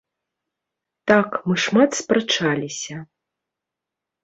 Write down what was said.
Так, мы шмат спрачаліся.